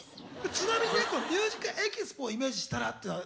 ちなみにこの「ＭＵＳＩＣＥＸＰＯ」をイメージしたらっていうのは？